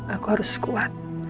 aku harus kuat